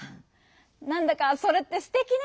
なんだかそれってすてきね！